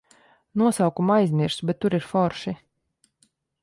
Nosaukumu aizmirsu, bet tur ir forši.